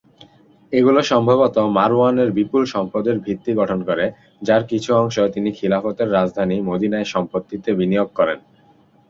এগুলো সম্ভবত মারওয়ানের বিপুল সম্পদের ভিত্তি গঠন করে, যার কিছু অংশ তিনি খিলাফতের রাজধানী মদীনায় সম্পত্তিতে বিনিয়োগ করেন।